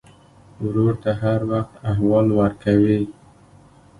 ورور ته هر وخت احوال ورکوې.